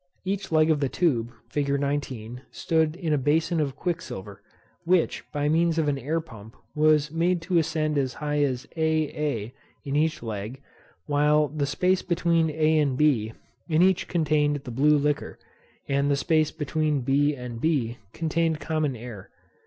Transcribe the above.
Each leg of the tube, fig. 19. stood in a bason of quicksilver; which, by means of an air pump, was made to ascend as high as a, a, in each leg, while the space between a and b in each contained the blue liquor, and the space between b and b contained common air.